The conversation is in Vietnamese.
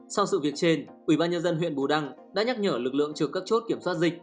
sau sự việc trên ubnd huyện bù đăng đã nhắc nhở lực lượng trực các chốt kiểm soát dịch